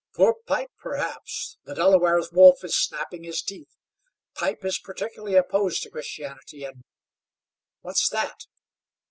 "For Pipe, perhaps. The Delaware Wolf is snapping his teeth. Pipe is particularly opposed to Christianity, and what's that?"